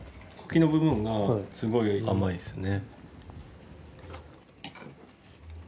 茎の部分がすごい甘いですね。